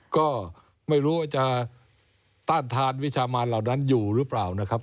ก็ไม่รู้ว่าจะต้านทานวิชามานเหล่านั้นอยู่หรือเปล่านะครับ